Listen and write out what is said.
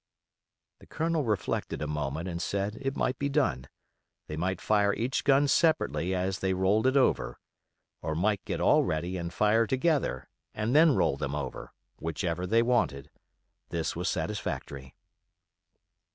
The Colonel reflected a moment and said it might be done; they might fire each gun separately as they rolled it over, or might get all ready and fire together, and then roll them over, whichever they wished. This was satisfactory.